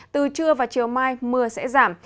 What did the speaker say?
từ trưa và chiều mai mưa sẽ giảm